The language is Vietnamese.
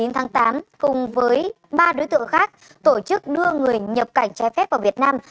chín tháng tám cùng với ba đối tượng khác tổ chức đưa người nhập cảnh trái phép vào việt nam